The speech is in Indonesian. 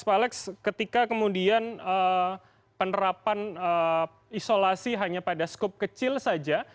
pak alex ketika kemudian penerapan isolasi hanya pada skup kecil saja